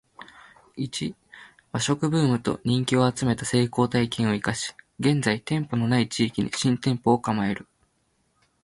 ⅰ 和食ブームと人気を集めた成功体験を活かし現在店舗の無い地域に新店舗を構える